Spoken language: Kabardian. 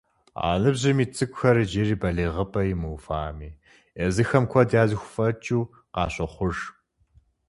А ныбжьым ит цӏыкӏухэр иджыри балигъыпӏэ имыувами, езыхэм куэд яхыззфӏэкӏыу къащохъуж.